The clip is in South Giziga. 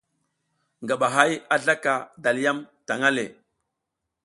Ngaba hay a zlaka dalyam tang le.